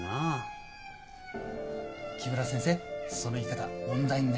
木村先生その言い方問題になりますよ